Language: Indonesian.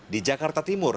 di jakarta timur